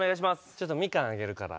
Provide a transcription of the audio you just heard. ちょっとミカンあげるから。